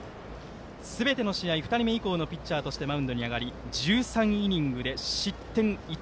すべての試合２人目以降のピッチャーとしてマウンドに上がり１３イニングで失点１。